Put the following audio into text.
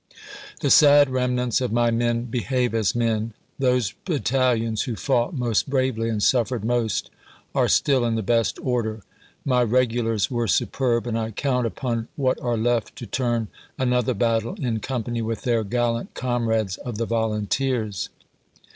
The sad remnants of my men be have as men. Those battalions who fought most bravely, and suffered most, are still in the best order. My regulars were superb, and I count upon what are left to turn an other battle, in company with their gallant comrades of the volunteers.